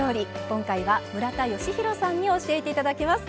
今回は村田吉弘さんに教えて頂きます。